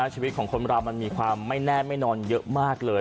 ชีวิตของคนเรามันมีความไม่แน่ไม่นอนเยอะมากเลย